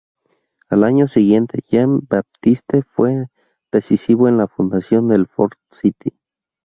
Al año siguiente, Jean-Baptiste fue decisivo en la fundación del Fort St.